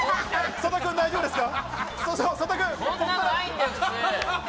曽田君、大丈夫ですか？